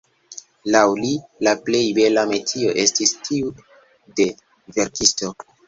Laŭ li, «la plej bela metio estis tiu de verkisto».